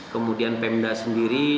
kemudian pemda sendiri